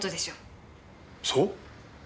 そう？